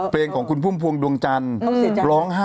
เพลงของคุณพุ่มภวงดวงจันโนโม